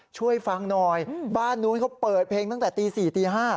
ช่วยฟังหน่อยบ้านนู้นเขาเปิดเพลงตั้งแต่ตี๔ตี๕